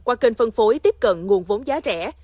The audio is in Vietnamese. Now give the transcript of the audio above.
qua kênh phân phối tiếp cận nguồn vốn giá rẻ